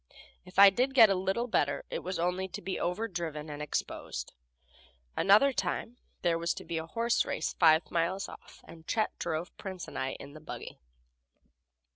If I did get a little better, it was only to be overdriven and exposed. Another time there was to be a horse race five miles off, and Chet drove Prince and I in the buggy.